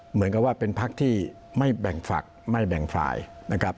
เหมือนกับว่าเป็นพักที่ไม่แบ่งฝักไม่แบ่งฝ่ายนะครับ